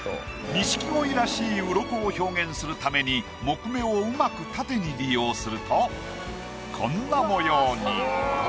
錦鯉らしいウロコを表現するために木目をうまく縦に利用するとこんな模様に。